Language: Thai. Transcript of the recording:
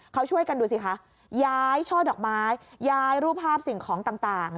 เขาช่วยกันดูสิคะย้ายช่อดอกไม้ย้ายรูปภาพสิ่งของต่าง